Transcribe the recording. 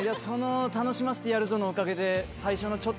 その楽しませてやるぞのおかげで最初の。